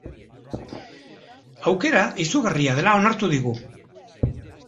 Aukera izugarria dela onartu digu.